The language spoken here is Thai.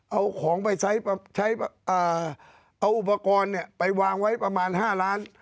เอาของไปใช้เอาอุปกรณ์ไปวางไว้ประมาณ๕ล้าน